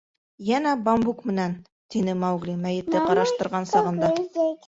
— Йәнә бамбук менән... — тине Маугли, мәйетте ҡараштырған сағында.